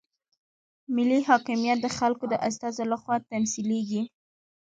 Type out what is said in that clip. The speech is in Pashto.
ملي حاکمیت د خلکو د استازو لخوا تمثیلیږي.